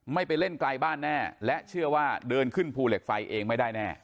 ไม่ไปเล่นไกลบ้านแน่และเชื่อว่าเดินขึ้นภูเหล็กไฟเองไม่ได้แน่